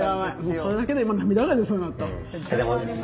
もうそれだけで今涙が出そうになった。